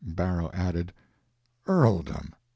Barrow added: "Earldom!